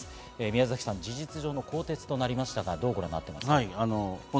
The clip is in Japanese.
宮崎さん、事実上の更迭となりましたが、どうご覧になっていますか？